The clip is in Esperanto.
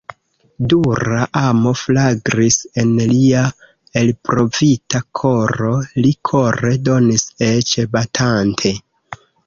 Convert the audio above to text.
Dura amo flagris en lia elprovita koro; li kore donis, eĉ batante.